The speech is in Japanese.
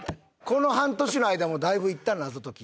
この半年の間もだいぶ行った？